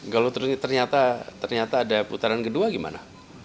kalau ternyata ada putaran kedua gimana